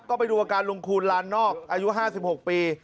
ก็ไปดูอาการลุงคูณลานนอกอายุห้าสิบหกปี